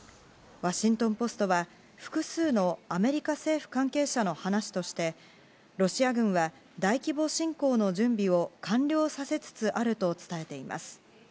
ワシントン・ポストは複数のアメリカ政府関係者の話としてロシア軍は大規模侵攻の準備を完了させつつあると伝えています。